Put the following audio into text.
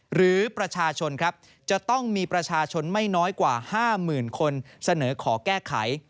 หรือประชาชนครับจะต้องมีประชาชนไม่น้อยกว่า๕๐๐๐คนเสนอขอแก้ไข